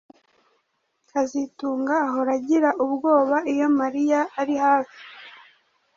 kazitunga ahora agira ubwoba iyo Mariya ari hafi